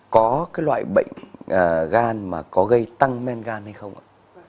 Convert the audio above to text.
có cái loại bệnh gan mà có gây tăng men gan hay không ạ